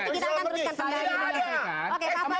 kita akan teruskan pembahasannya